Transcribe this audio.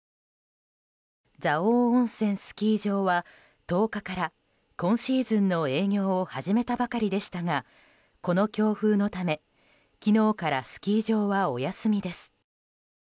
蔵王温泉スキー場は、１０日から今シーズンの営業を始めたばかりでしたがこの強風のため昨日からスキー場はお休みです。